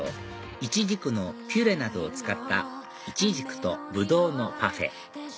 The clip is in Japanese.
イチジクのピューレなどを使ったいちじくとぶどうのパフェ